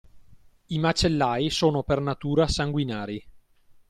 I macellai sono per natura sanguinari.